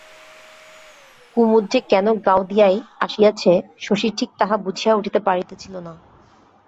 কুমুদ যে কেন গাওদিয়ায় আসিয়াছে শশী ঠিক তাহা বুঝিয়া উঠিতে পারিতেছিল না।